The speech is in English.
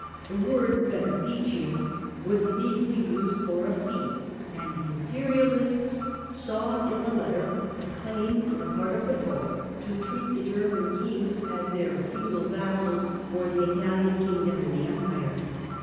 The word "heneficium" was legally used for a fief and the imperialists saw in the letter a claim on the part of the Pope to treat the German kings as their feudal vassals for the Italian kingdom and the Empire.